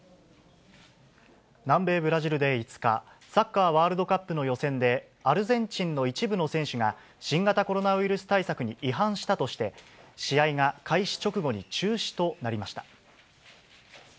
南米ブラジルで５日、サッカーワールドカップの予選で、アルゼンチンの一部の選手が、新型コロナウイルス対策に違反したとして、試合が開始直後に中止となりました。